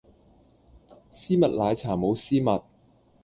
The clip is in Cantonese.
絲襪奶茶冇絲襪